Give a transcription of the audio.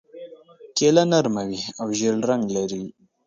کیله نرمه وي او ژېړ رنګ لري.